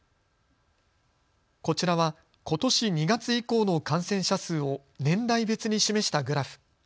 こちらは、ことし２月以降の感染者数を年代別に示したグラフ。